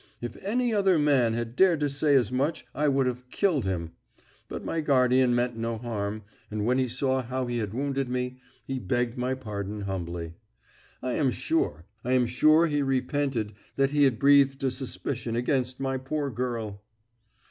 If any other man had dared to say as much I would have killed him. But my guardian meant no harm, and when he saw how he had wounded me, he begged my pardon humbly. I am sure, I am sure he repented that he had breathed a suspicion against my poor girl!"